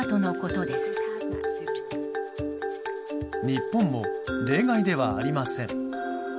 日本も例外ではありません。